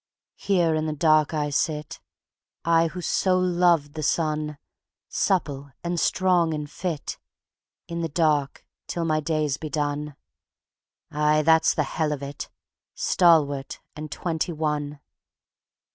Here in the dark I sit, I who so loved the sun; Supple and strong and fit, In the dark till my days be done; Aye, that's the hell of it, Stalwart and twenty one.